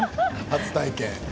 初体験。